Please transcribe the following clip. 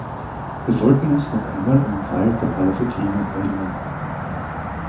Wir sollten uns noch einmal an den Fall der Pallas Athene erinnern.